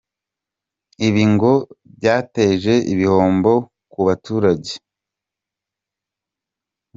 Ibi ngo byateje ibihombo ku baturage.